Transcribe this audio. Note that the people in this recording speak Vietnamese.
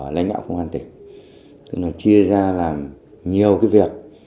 lãnh đạo công an tỉnh chia ra làm nhiều việc